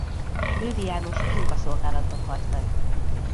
Lőwy János munkaszolgálatban halt meg.